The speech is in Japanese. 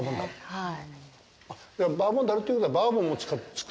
はい。